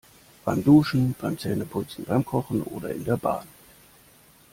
Beim Duschen, beim Zähneputzen, beim Kochen oder in der Bahn.